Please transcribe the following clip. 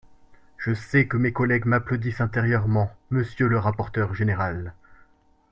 Je sais que mes collègues m’applaudissent intérieurement, monsieur le rapporteur général